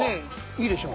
いいでしょ？